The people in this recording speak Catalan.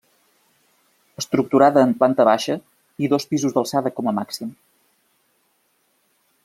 Estructurada en planta baixa i dos pisos d'alçada com a màxim.